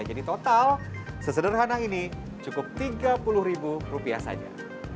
total sesederhana ini cukup tiga puluh ribu rupiah saja